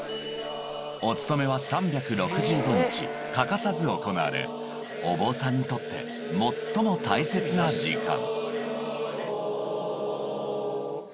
お勤めは３６５日欠かさず行われ、お坊さんにとって最も大切な時間。